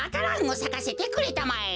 蘭をさかせてくれたまえ。